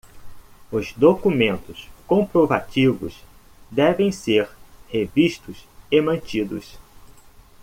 Os documentos comprovativos devem ser revistos e mantidos